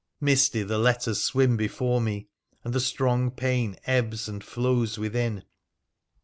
Misty the letters swim before me, and the strong pain ebbs and flows within.